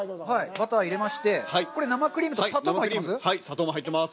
バター、入れまして、これ、生クリームと砂糖も入ってます？